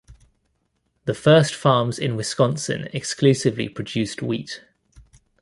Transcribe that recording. The first farms in Wisconsin exclusively produced wheat.